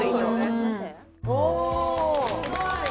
すごい。